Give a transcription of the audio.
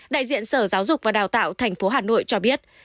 đại diện sở giáo dục và đào tạo tp hà nội cho biết